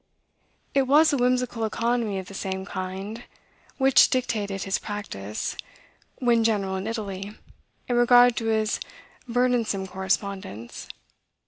It was a whimsical economy of the same kind which dictated his practice, when general in Italy, in regard to his burdensome correspondence.